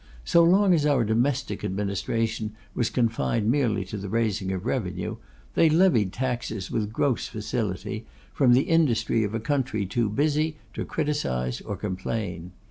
So long as our domestic administration was confined merely to the raising of a revenue, they levied taxes with gross facility from the industry of a country too busy to criticise or complain.